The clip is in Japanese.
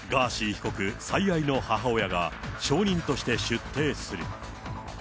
被告最愛の母親が証人として出廷する。